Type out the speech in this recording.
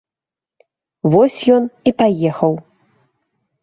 Вось ён і паехаў.